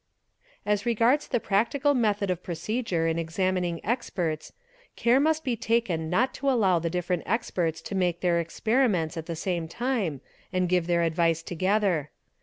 _ As regards the practical method of procedure in examining experts care must be taken not to allow different experts to make their experiments at the same time and give their advice together.